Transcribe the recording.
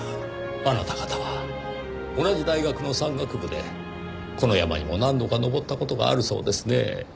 あなた方は同じ大学の山岳部でこの山にも何度か登った事があるそうですねぇ。